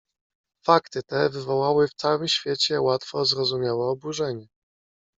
"Fakty te wywołały w całym świecie łatwo zrozumiałe oburzenie."